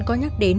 có nhắc đến